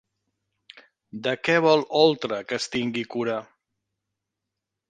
De què vol Oltra que es tingui cura?